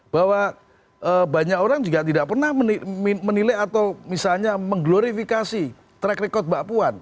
bahwa banyak orang juga tidak pernah menilai atau misalnya mengglorifikasi track record mbak puan